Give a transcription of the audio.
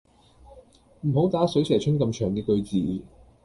唔好打水蛇春咁長嘅句字